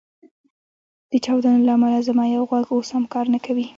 د چاودنو له امله زما یو غوږ اوس هم کار نه کوي